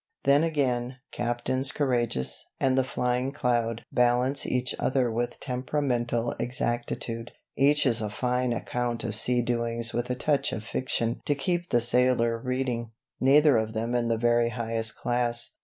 "Then again 'Captains Courageous' and 'The Flying Cloud' balance each other with temperamental exactitude. Each is a fine account of sea doings with a touch of fiction to keep the sailor reading, neither of them in the very highest class.